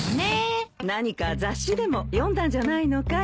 何か雑誌でも読んだんじゃないのかい？